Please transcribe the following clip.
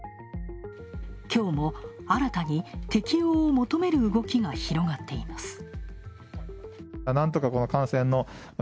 きょうも新たに適用を求める動きが広がっています。